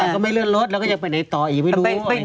ไปเดินถามคุณคุย